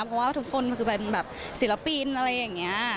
เพราะว่าทุกคนคือเป็นแบบศิลปินอะไรอย่างนี้